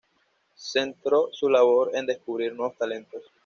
Centró su labor en descubrir nuevos talentos.